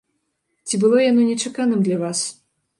Ці было яно нечаканым для вас?